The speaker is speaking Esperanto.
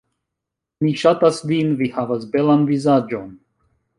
Mi ŝatas vin, vi havas belan vizaĝon.